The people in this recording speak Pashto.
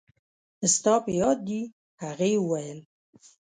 ستا په یاد دي؟ هغې وویل.